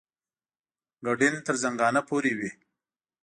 ګډین تر زنګانه پورې وي.